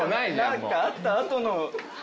何かあった後の。